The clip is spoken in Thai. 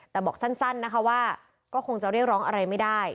แต่บอกสั้นนะคะว่าก็คงจะเรียกร้องอะไรไม่ได้